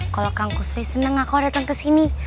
kalo kang kusoy seneng aku dateng kesini